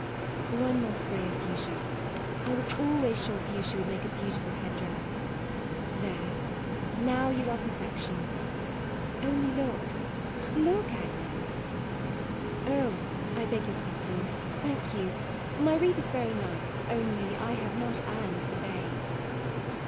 "One more spray of fuchsia; I 2O MAUDE was always sure fuchsia would make a beautiful head dress. There; now you are perfection : only look ; look Agnes. Oh, I beg your pardon; thank you ; my wreath is very nice, only I have not earned ,the bay."